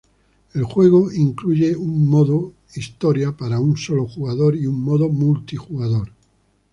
El juego incluye un modo historia para un solo jugador y un modo multijugador.